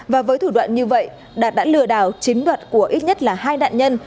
và với thủ đoạn như vậy đạt đã lừa đảo chiếm đoạt của ít nhất là hai nạn nhân